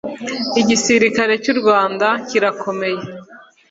igisisikare cy'urwanda kirakomeye